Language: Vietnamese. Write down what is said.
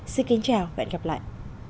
xin kính chào và hẹn gặp lại